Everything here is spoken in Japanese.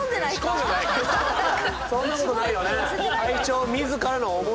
そんなことないよねえ？